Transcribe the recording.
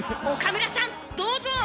岡村さんどうぞ！